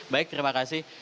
baik terima kasih